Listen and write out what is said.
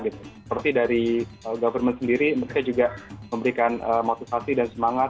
seperti dari government sendiri mereka juga memberikan motivasi dan semangat